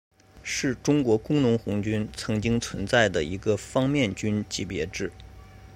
是中国工农红军曾经存在的一个方面军级编制。